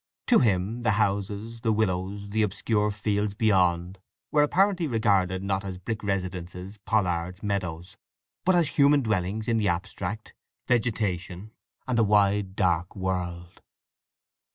To him the houses, the willows, the obscure fields beyond, were apparently regarded not as brick residences, pollards, meadows; but as human dwellings in the abstract, vegetation, and the wide dark world.